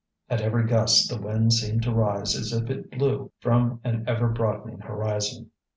At every gust the wind seemed to rise as if it blew from an ever broadening horizon.